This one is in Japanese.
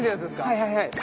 はいはいはい。